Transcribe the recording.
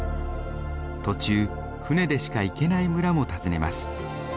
途中船でしか行けない村も訪ねます。